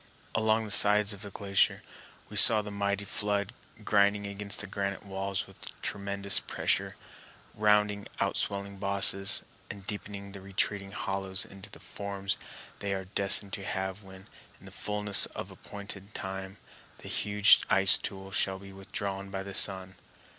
Along the sides of the glacier we saw the mighty flood grinding against the granite walls with tremendous pressure, rounding outswelling bosses, and deepening the retreating hollows into the forms they are destined to have when, in the fullness of appointed time, the huge ice tool shall be withdrawn by the sun.